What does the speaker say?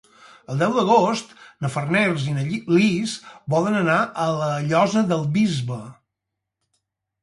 El deu d'agost na Farners i na Lis volen anar a la Llosa del Bisbe.